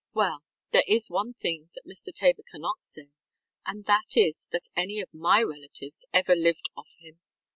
Well, there is one thing that Mr. Tabor cannot say, and that is that any of my relatives ever lived off him.